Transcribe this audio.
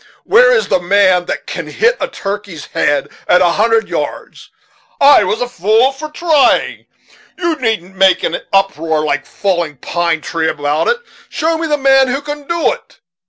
Where is the man that can hit a turkey's head at a hundred yards? I was a fool for trying. You needn't make an uproar like a falling pine tree about it. Show me the man who can do it."